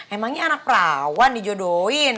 emangnya anak rawan dijodohin